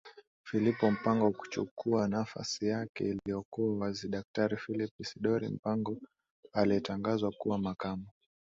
philipo mpango kuchukua nafasi yake iliyokuwa waziDaktari Philip Isidory Mpango aliyetangazwa kuwa Makamu